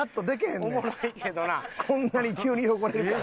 こんなに急に汚れるから。